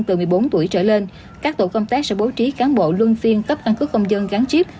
từ một mươi bốn tuổi trở lên các tổ công tác sẽ bố trí cán bộ luân phiên cấp căn cứ công dân gắn chip